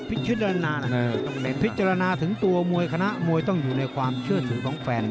พิจารณาล่ะพิจารณาถึงตัวมวยคณะมวยต้องอยู่ในความเชื่อถือของแฟน